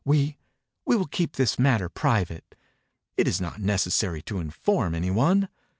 «We — we will keep this mat ter private? It is not necessary to inform any one."